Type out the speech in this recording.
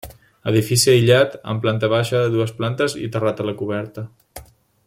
Edifici aïllat, amb planta baixa, dues plantes i terrat a la coberta.